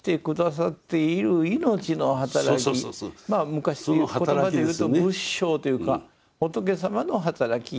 昔の言葉で言うと仏性というか仏様の働き。